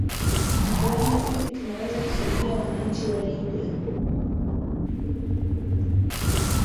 kuone vipi tunaweza kusaidia wananchi wa libya